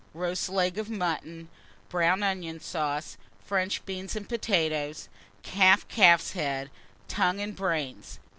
Roast leg of mutton, brown onion sauce, French beans, and potatoes; half calf's head, tongue, and brains.